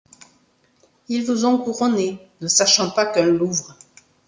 Ils vous ont couronnés, ne sachant pas qu'un Louvre